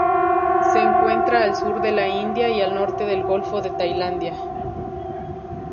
Se encuentra al sur de la India y al norte del Golfo de Tailandia.